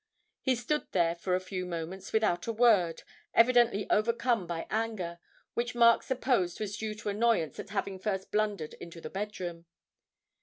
He stood there for a few moments without a word, evidently overcome by anger, which Mark supposed was due to annoyance at having first blundered into the bedroom.